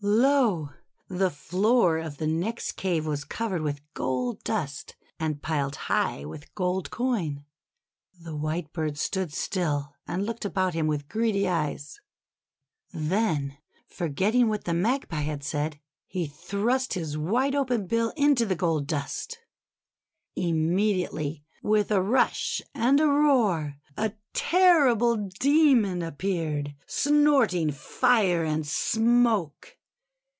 Lo! the floor of the next cave was covered with gold dust, and piled high with gold coin. The Whitebird stood still and looked about him with greedy eyes, then forgetting what the Magpie 84 THE WONDER GARDEN had said, he thrust his wide open bill into the gold dust. Immediately, with a rush and a roar, a terri ble Demon appeared, snorting fire and smoke.